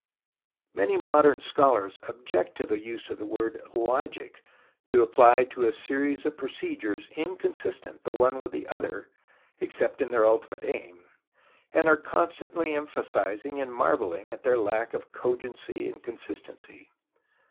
Many modern scholars object to the use of the word logic to apply to a series of procedures inconsistent the one with the other except in their ultimate aim, and are constantly em phasizing and marvelling at their lack of cogency and consistency.